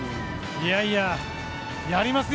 いやいや、やりますよ。